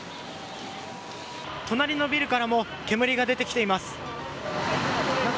隣のビルからも煙が出てきています。